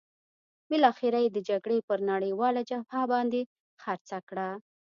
بالاخره یې د جګړې پر نړیواله جبهه باندې خرڅه کړه.